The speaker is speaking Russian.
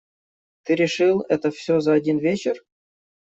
Ты решил это всё за один вечер?